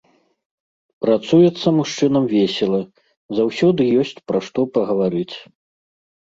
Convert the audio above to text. Працуецца мужчынам весела, заўсёды ёсць пра што пагаварыць.